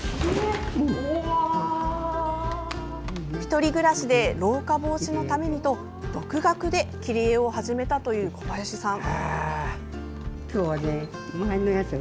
１人暮らしで老化防止のためにと独学で切り絵を始めたという小林さん。